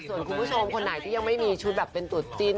ส่วนคุณผู้ชมคนไหนที่ยังไม่มีชุดแบบเป็นตัวจิ้น